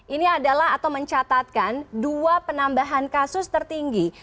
ini adalah atau mencatatkan dua penambahan kasus tertinggi